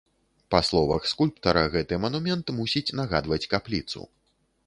Па словах скульптара, гэты манумент мусіць нагадваць капліцу.